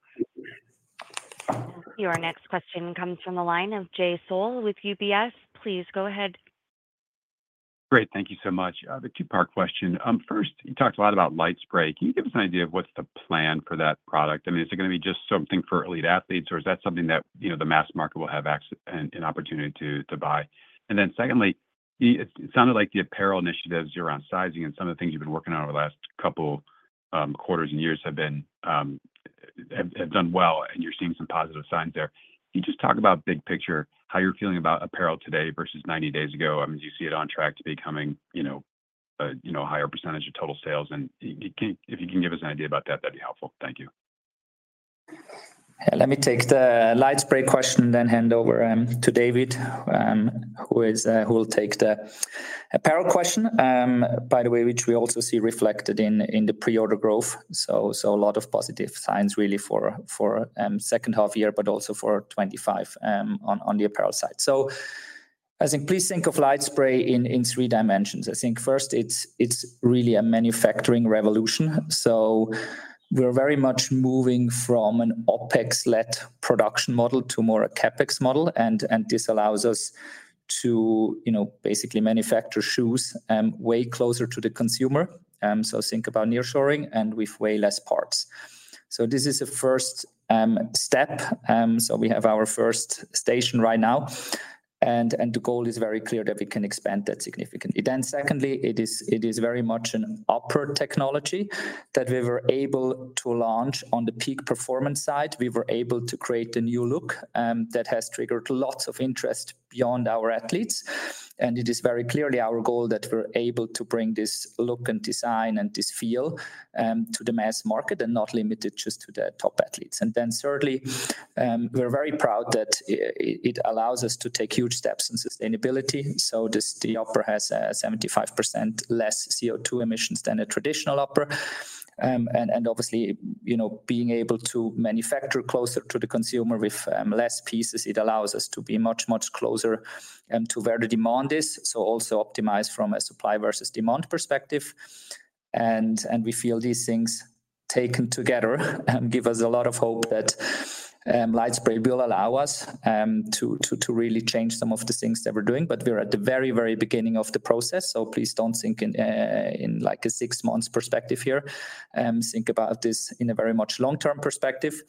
Your next question comes from the line of Jay Sole with UBS. Please go ahead. Great, thank you so much. A two-part question. First, you talked a lot about LightSpray. Can you give us an idea of what's the plan for that product? I mean, is it gonna be just something for elite athletes, or is that something that, you know, the mass market will have an opportunity to buy? And then secondly, it sounded like the apparel initiatives around sizing and some of the things you've been working on over the last couple quarters and years have been, have done well, and you're seeing some positive signs there. Can you just talk about big picture, how you're feeling about apparel today versus 90 days ago? I mean, do you see it on track to becoming, you know, a higher percentage of total sales? If you can, if you can give us an idea about that, that'd be helpful. Thank you. Let me take the LightSpray question, then hand over to David, who will take the apparel question. By the way, which we also see reflected in the pre-order growth. So a lot of positive signs really for second half year, but also for 25 on the apparel side. So I think please think of LightSpray in three dimensions. I think first, it's really a manufacturing revolution. So we're very much moving from an OpEx-led production model to more a CapEx model, and this allows us to, you know, basically manufacture shoes way closer to the consumer. So think about nearshoring and with way less parts. So this is a first step, so we have our first station right now, and the goal is very clear that we can expand that significantly. Then secondly, it is very much an upper technology that we were able to launch on the peak performance side. We were able to create a new look that has triggered lots of interest beyond our athletes, and it is very clearly our goal that we're able to bring this look and design and this feel to the mass market and not limited just to the top athletes. And then thirdly, we're very proud that it allows us to take huge steps in sustainability. So this, the upper has a 75% less CO2 emissions than a traditional upper. And obviously, you know, being able to manufacture closer to the consumer with less pieces, it allows us to be much, much closer to where the demand is. So also optimize from a supply versus demand perspective. And we feel these things taken together give us a lot of hope that LightSpray will allow us to really change some of the things that we're doing. But we're at the very, very beginning of the process, so please don't think in like a six months perspective here. Think about this in a very much long-term perspective,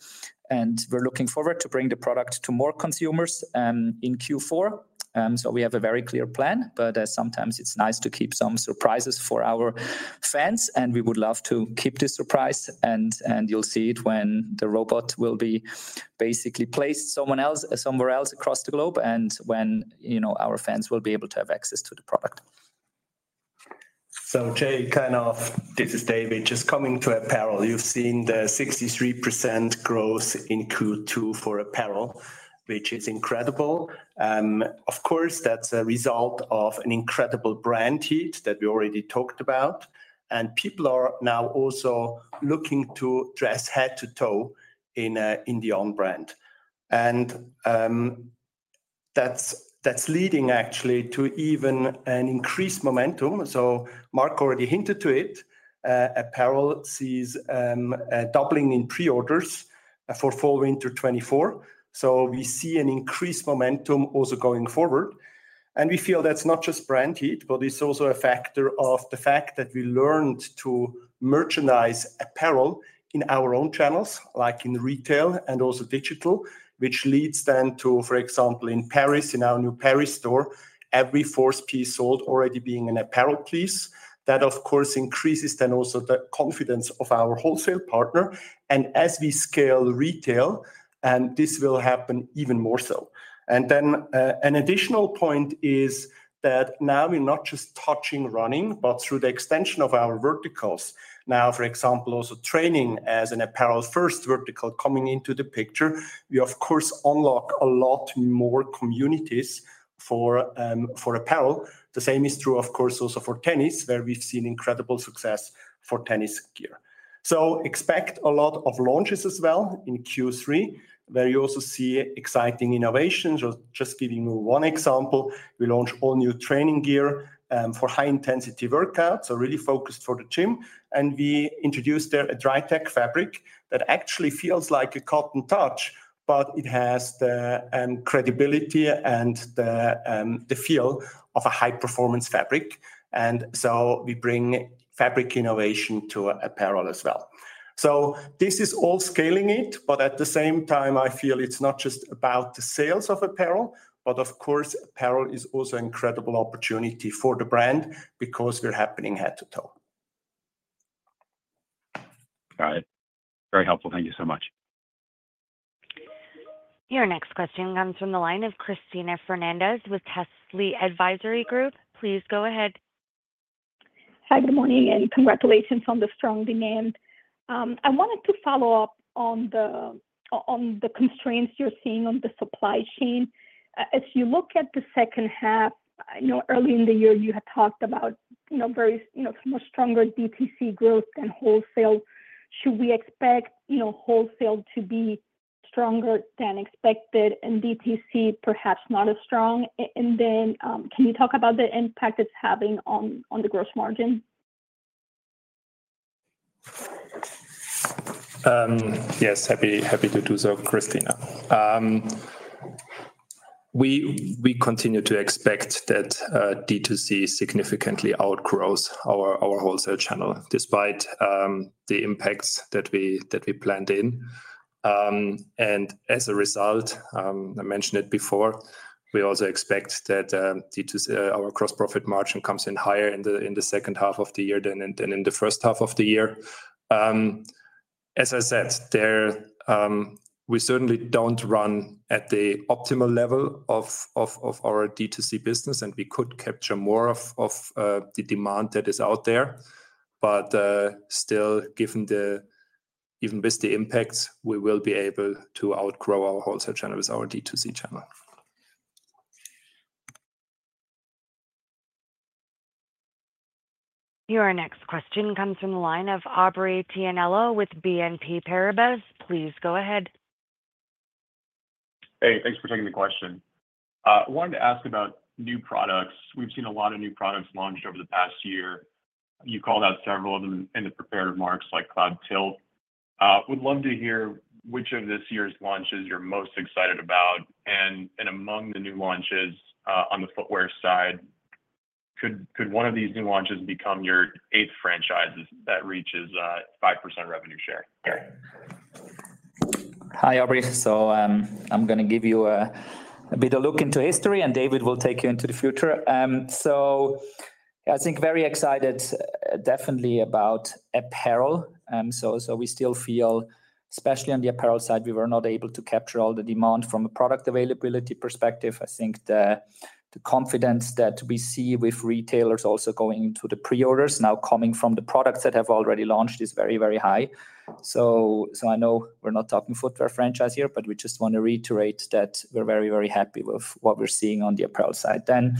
and we're looking forward to bring the product to more consumers in Q4. So we have a very clear plan, but sometimes it's nice to keep some surprises for our fans, and we would love to keep this surprise, and you'll see it when the robot will be basically placed somewhere else across the globe and when, you know, our fans will be able to have access to the product. So Jay, this is David. Just coming to apparel, you've seen the 63% growth in Q2 for apparel, which is incredible. Of course, that's a result of an incredible brand heat that we already talked about, and people are now also looking to dress head to toe in the On brand. And that's leading actually to even an increased momentum. So Marc already hinted to it, apparel sees a doubling in pre-orders for fall/winter 2024. So we see an increased momentum also going forward, and we feel that's not just brand heat, but it's also a factor of the fact that we learned to merchandise apparel in our own channels, like in retail and also digital, which leads then to, for example, in Paris, in our new Paris store, every fourth piece sold already being an apparel piece. That, of course, increases then also the confidence of our wholesale partner, and as we scale retail, and this will happen even more so. And then, an additional point is that now we're not just touching running, but through the extension of our verticals. Now, for example, also training as an apparel-first vertical coming into the picture, we of course unlock a lot more communities for apparel. The same is true, of course, also for tennis, where we've seen incredible success for tennis gear. So expect a lot of launches as well in Q3, where you also see exciting innovations. Just giving you one example, we launch all new training gear for high-intensity workouts, so really focused for the gym. We introduced a dry tech fabric that actually feels like a cotton touch, but it has the credibility and the feel of a high-performance fabric, and so we bring fabric innovation to apparel as well. This is all scaling it, but at the same time, I feel it's not just about the sales of apparel, but of course, apparel is also incredible opportunity for the brand because we're happening head to toe. Got it. Very helpful. Thank you so much. Your next question comes from the line of Cristina Fernandez with Telsey Advisory Group. Please go ahead. Hi, good morning, and congratulations on the strong demand. I wanted to follow up on the constraints you're seeing on the supply chain. As you look at the second half, you know, early in the year, you had talked about, you know, very much stronger DTC growth than wholesale. Should we expect, you know, wholesale to be stronger than expected and DTC perhaps not as strong? And then, can you talk about the impact it's having on the gross margin? Yes, happy to do so, Cristina. We continue to expect that DTC significantly outgrows our wholesale channel, despite the impacts that we planned in. And as a result, I mentioned it before, we also expect that DTC our gross profit margin comes in higher in the second half of the year than in the first half of the year. As I said, there, we certainly don't run at the optimal level of our DTC business, and we could capture more of the demand that is out there, but still, given the, even with the impacts, we will be able to outgrow our wholesale channel with our DTC channel. Your next question comes from the line of Aubrey Tianello with BNP Paribas. Please go ahead. Hey, thanks for taking the question. Wanted to ask about new products. We've seen a lot of new products launched over the past year. You called out several of them in the prepared remarks, like Cloudtilt. Would love to hear which of this year's launches you're most excited about, and among the new launches on the footwear side, could one of these new launches become your eighth franchise that reaches 5% revenue share? Hi, Aubrey. So, I'm gonna give you a bit of a look into history, and David will take you into the future. So I think very excited, definitely about apparel. So, so we still feel, especially on the apparel side, we were not able to capture all the demand from a product availability perspective. I think the confidence that we see with retailers also going into the pre-orders now coming from the products that have already launched is very, very high. So, so I know we're not talking footwear franchise here, but we just want to reiterate that we're very, very happy with what we're seeing on the apparel side. Then,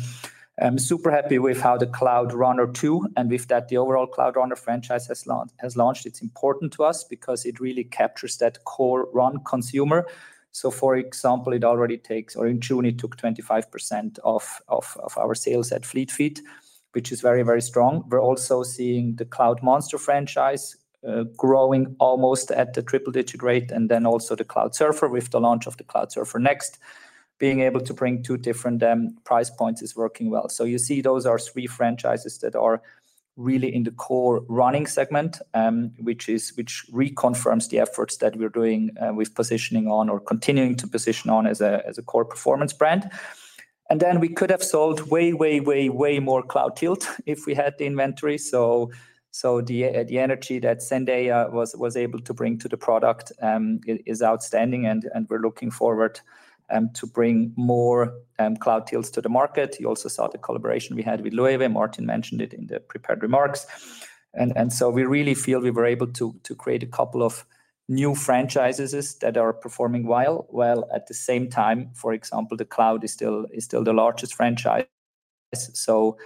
I'm super happy with how the Cloudrunner 2, and with that, the overall Cloudrunner franchise has launched. It's important to us because it really captures that core run consumer. So, for example, it already takes or in June, it took 25% of our sales at Fleet Feet, which is very, very strong. We're also seeing the Cloudmonster franchise growing almost at the triple-digit rate, and then also the Cloudsurfer with the launch of the Cloudsurfer Next. Being able to bring two different price points is working well. So you see, those are three franchises that are really in the core running segment, which reconfirms the efforts that we're doing with positioning On or continuing to position On as a core performance brand. And then we could have sold way, way, way, way more Cloudtilt if we had the inventory. So the energy that Zendaya was able to bring to the product is outstanding, and we're looking forward to bring more Cloudtilts to the market. You also saw the collaboration we had with Loewe. Martin mentioned it in the prepared remarks. And so we really feel we were able to create a couple of new franchises that are performing well. While at the same time, for example, the Cloud is still the largest franchise. So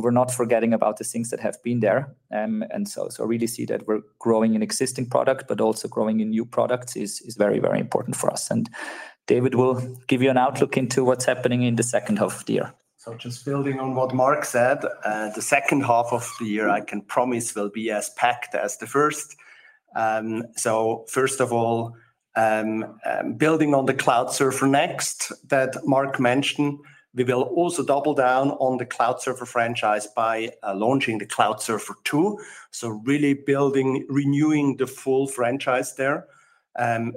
we're not forgetting about the things that have been there. And so really see that we're growing an existing product, but also growing a new product is very important for us. And David will give you an outlook into what's happening in the second half of the year. So just building on what Marc said, the second half of the year, I can promise, will be as packed as the first. First of all, building on the Cloudsurfer Next that Marc mentioned, we will also double down on the Cloudsurfer franchise by launching the Cloudsurfer 2. So really building, renewing the full franchise there.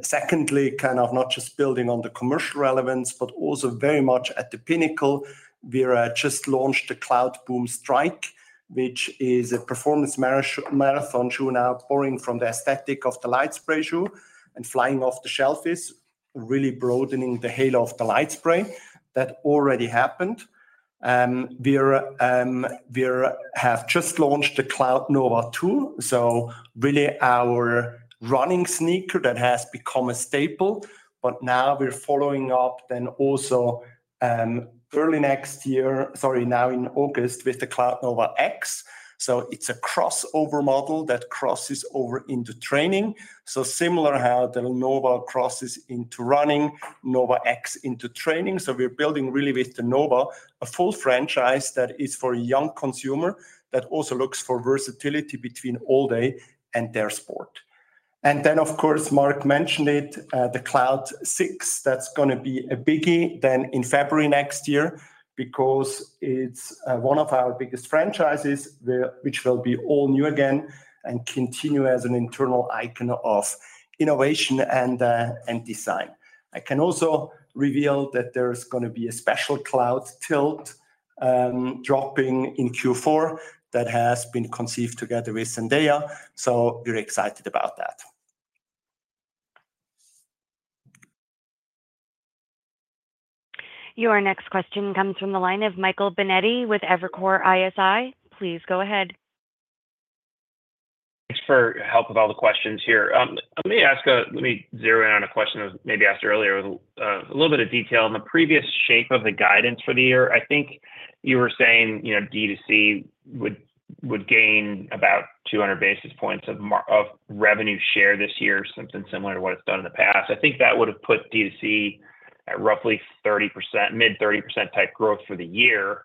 Secondly, kind of not just building on the commercial relevance, but also very much at the pinnacle. We just launched the Cloudboom Strike, which is a performance marathon shoe now borrowing from the aesthetic of the LightSpray shoe and flying off the shelves. It's really broadening the halo of the LightSpray. That already happened. We have just launched the Cloudnova 2, so really our running sneaker that has become a staple, but now we're following up then also, early next year, sorry, now in August, with the Cloudnova X. So it's a crossover model that crosses over into training, so similar to how the Nova crosses into running, Nova X into training. So we're building really with the Nova, a full franchise that is for a young consumer, that also looks for versatility between all day and their sport. And then, of course, Marc mentioned it, the Cloud 6. That's gonna be a biggie then in February next year, because it's, one of our biggest franchises, which will be all new again and continue as an internal icon of innovation and, and design. I can also reveal that there's gonna be a special Cloudtilt, dropping in Q4 that has been conceived together with Zendaya, so we're excited about that. Your next question comes from the line of Michael Binetti with Evercore ISI. Please go ahead. Thanks for help with all the questions here. Let me zero in on a question that was maybe asked earlier with a little bit of detail. On the previous shape of the guidance for the year, I think you were saying, you know, DTC would gain about 200 basis points of revenue share this year, something similar to what it's done in the past. I think that would have put DTC at roughly 30%, mid-30% type growth for the year,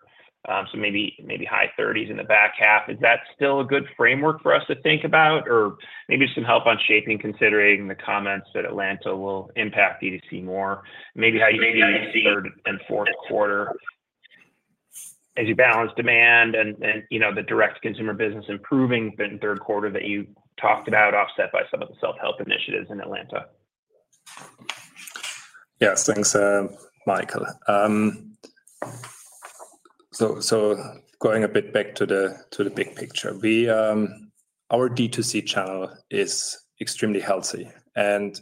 so maybe high 30s in the back half. Is that still a good framework for us to think about? Or maybe some help on shaping, considering the comments that Atlanta will impact DTC more? Maybe how you see the third and fourth quarter as you balance demand and, you know, the direct consumer business improving in the third quarter that you talked about, offset by some of the self-help initiatives in Atlanta? Yes, thanks, Michael. So going a bit back to the big picture. Our DTC channel is extremely healthy, and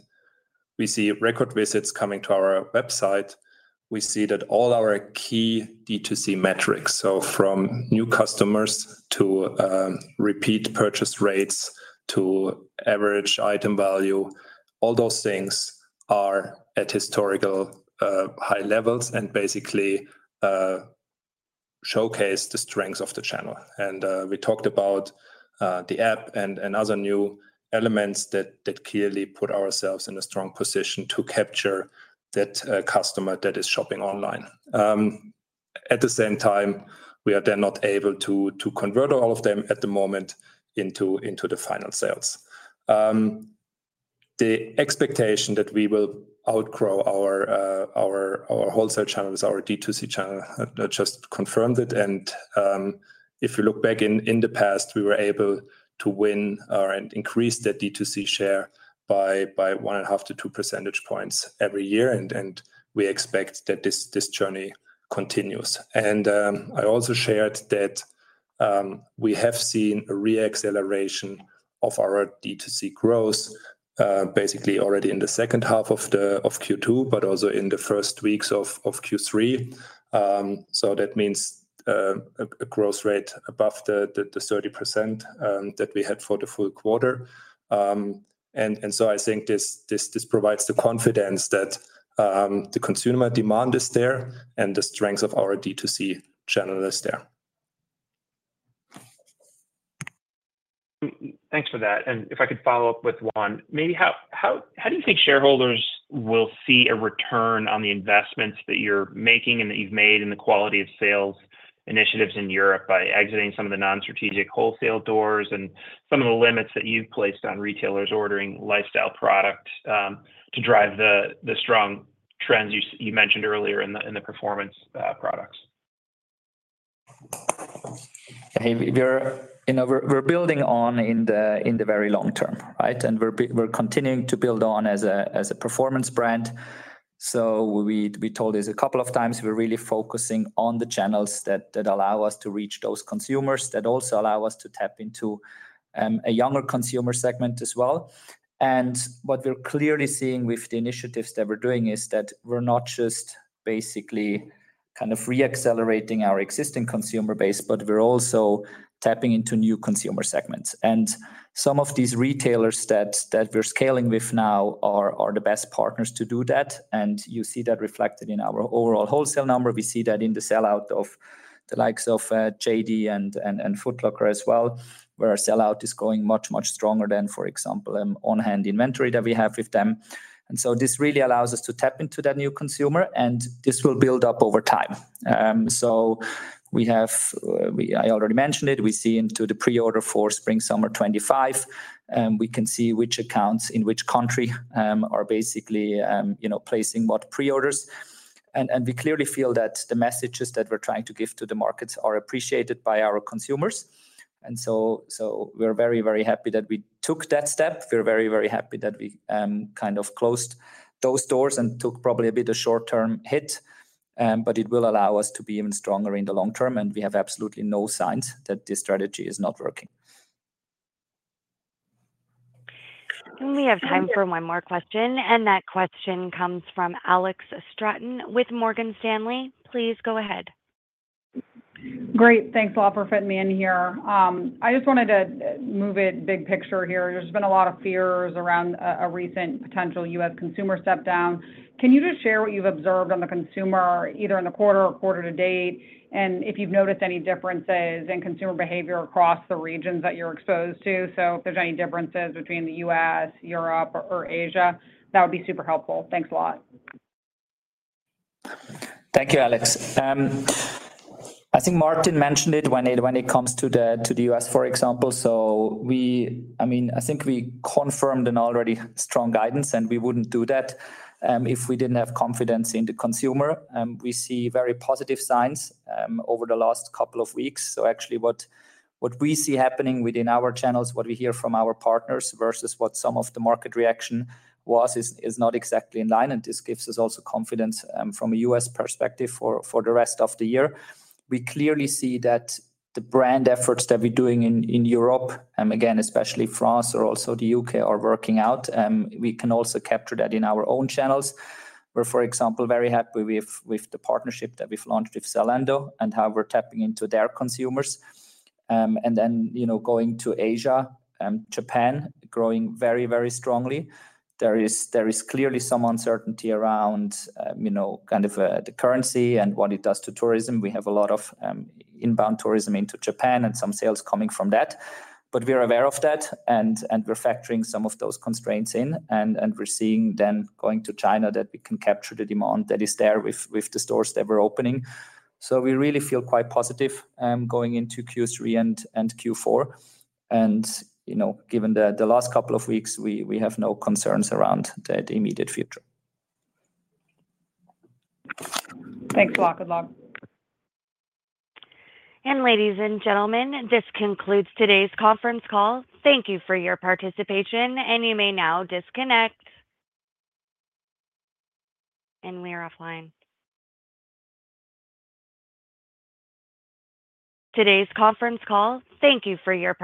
we see record visits coming to our website. We see that all our key DTC metrics, so from new customers to repeat purchase rates, to average item value, all those things are at historical high levels and basically showcase the strengths of the channel. And we talked about the app and other new elements that clearly put ourselves in a strong position to capture that customer that is shopping online. At the same time, we are then not able to convert all of them at the moment into the final sales. The expectation that we will outgrow our wholesale channels, our DTC channel, just confirmed it, and if you look back in the past, we were able to win or increase the DTC share by 1.5-2 percentage points every year, and we expect that this journey continues. I also shared that we have seen a re-acceleration of our DTC growth, basically already in the second half of Q2, but also in the first weeks of Q3. So that means a growth rate above the 30% that we had for the full quarter. And so I think this provides the confidence that the consumer demand is there and the strength of our DTC channel is there. Thanks for that. If I could follow up with one, maybe how do you think shareholders will see a return on the investments that you're making and that you've made in the quality of sales initiatives in Europe by exiting some of the non-strategic wholesale doors and some of the limits that you've placed on retailers ordering lifestyle product to drive the strong trends you mentioned earlier in the performance products? Hey, you know, we're building On in the very long term, right? And we're continuing to build On as a performance brand. So we told this a couple of times, we're really focusing on the channels that allow us to reach those consumers that also allow us to tap into a younger consumer segment as well. And what we're clearly seeing with the initiatives that we're doing is that we're not just basically kind of re-accelerating our existing consumer base, but we're also tapping into new consumer segments. And some of these retailers that we're scaling with now are the best partners to do that, and you see that reflected in our overall wholesale number. We see that in the sellout of the likes of JD and Foot Locker as well, where our sellout is going much, much stronger than, for example, on-hand inventory that we have with them. And so this really allows us to tap into that new consumer, and this will build up over time. So we have, I already mentioned it, we see into the pre-order for spring, summer 2025, and we can see which accounts in which country are basically, you know, placing what pre-orders. And we clearly feel that the messages that we're trying to give to the markets are appreciated by our consumers. And so we're very, very happy that we took that step. We're very, very happy that we, kind of closed those doors and took probably a bit of short-term hit, but it will allow us to be even stronger in the long term, and we have absolutely no signs that this strategy is not working. We have time for one more question, and that question comes from Alex Straton with Morgan Stanley. Please go ahead. Great. Thanks a lot for fitting me in here. I just wanted to move it big picture here. There's been a lot of fears around a recent potential U.S. consumer step down. Can you just share what you've observed on the consumer, either in the quarter or quarter to date, and if you've noticed any differences in consumer behavior across the regions that you're exposed to? So if there's any differences between the U.S., Europe, or Asia, that would be super helpful. Thanks a lot. Thank you, Alex. I think Martin mentioned it when it comes to the US, for example. I mean, I think we confirmed an already strong guidance, and we wouldn't do that if we didn't have confidence in the consumer. We see very positive signs over the last couple of weeks. Actually what we see happening within our channels, what we hear from our partners versus what some of the market reaction was is not exactly in line, and this gives us also confidence from a U.S. perspective for the rest of the year. We clearly see that the brand efforts that we're doing in Europe, again, especially France or also the U.K., are working out. We can also capture that in our own channels. We're, for example, very happy with the partnership that we've launched with Zalando and how we're tapping into their consumers. And then, you know, going to Asia, Japan growing very, very strongly. There is clearly some uncertainty around, you know, kind of, the currency and what it does to tourism. We have a lot of inbound tourism into Japan and some sales coming from that, but we are aware of that, and we're factoring some of those constraints in, and we're seeing then, going to China, that we can capture the demand that is there with the stores that we're opening. So we really feel quite positive, going into Q3 and Q4. And, you know, given the last couple of weeks, we have no concerns around the immediate future. Thanks a lot. Good luck. Ladies and gentlemen, this concludes today's conference call. Thank you for your participation, and you may now disconnect. We are offline. Today's conference call... Thank you for your participation.